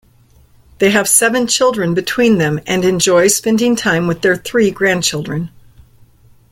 They have seven children between them and enjoy spending time with their three grandchildren.